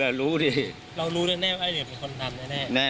เรารู้แน่ไอเดิร์เป็นคนทำแน่